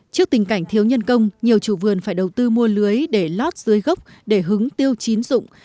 trước tình cảnh thiếu nhân công nhiều chủ vườn phải đầu tư mua lưới để lót dưới gốc để hứng tiêu chín dụng